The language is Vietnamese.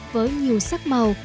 với nhiều sắc màu